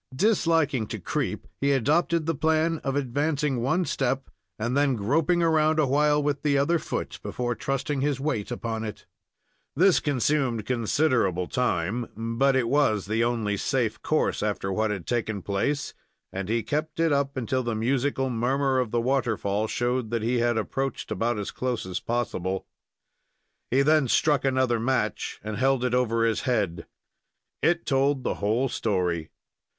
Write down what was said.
Disliking to creep, he adopted the plan of advancing one step, and then groping around awhile with the other foot, before trusting his weight upon it. This consumed considerable time, but it was the only safe course, after what had taken place, and he kept it up until the musical murmur of the waterfall showed that he had approached about as close as possible. He then struck another match and held it over his head. It told the whole story.